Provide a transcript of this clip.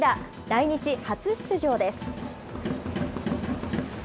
来日初出場です。